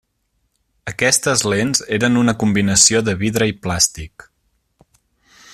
Aquestes lents eren una combinació de vidre i plàstic.